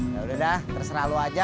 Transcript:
yaudah udah terserah lu aja